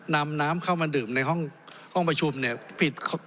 นำน้ำเข้ามาดื่มในห้องประชุมเนี่ย